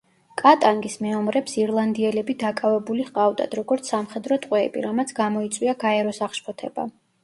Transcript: კატანგის მეომრებს ირლანდიელები დაკავებული ჰყავდათ, როგორც სამხედრო ტყვეები, რამაც გამოიწვია გაეროს აღშფოთება.